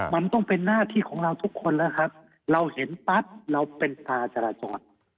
มันต้องเป็นหน้าที่ของเราทุกคนแล้วครับเราเห็นปั๊บเราเป็นตาจราจร